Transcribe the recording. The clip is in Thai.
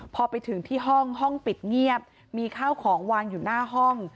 พอไปถึงที่ห้องห้องปิดเงียบมีข้าวของวางอยู่หน้าห้อง